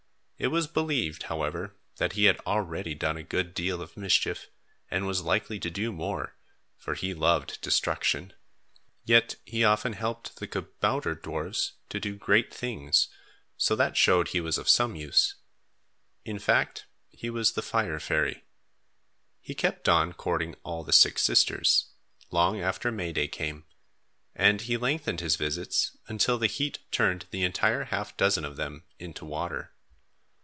It was believed, however, that he had already done a good deal of mischief and was likely to do more, for he loved destruction. Yet he often helped the kabouter dwarfs to do great things; so that showed he was of some use. In fact he was the fire fairy. He kept on, courting all the six sisters, long after May day came, and he lengthened his visits until the heat turned the entire half dozen of them into water.